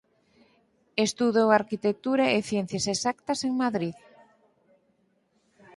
Estudou Arquitectura e Ciencias Exactas en Madrid.